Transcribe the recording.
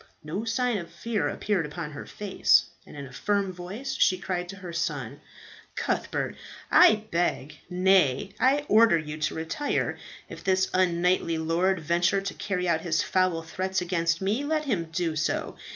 No sign of fear appeared upon her face, and in a firm voice she cried to her son, "Cuthbert, I beg nay, I order you to retire. If this unknightly lord venture to carry out his foul threats against me, let him do so.